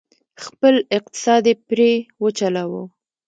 خپل اقتصاد یې پرې وچلوه،